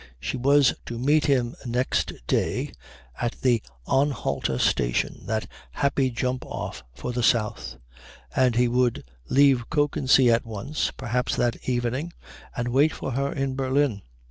She was to meet him next day at the Anhalter station, that happy jump off for the south, and he would leave Kökensee at once, perhaps that evening, and wait for her in Berlin.